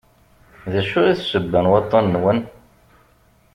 D acu i d ssebba n waṭṭan-nwen?